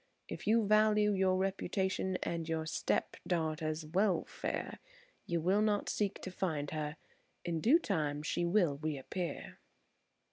If you value your reputation and your step daughter's welfare, you will not seek to find her. In due time she will reappear."